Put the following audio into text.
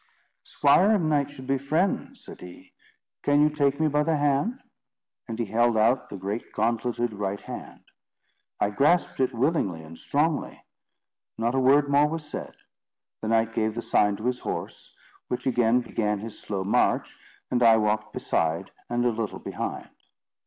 "Squire and knight should be friends," said he: "can you take me by the hand?" And he held out the great gauntleted right hand. I grasped it willingly and strongly. Not a word more was said. The knight gave the sign to his horse, which again began his slow march, and I walked beside and a little behind.